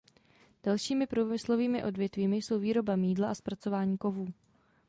Dalšími průmyslovými odvětvími jsou výroba mýdla a zpracování kovů.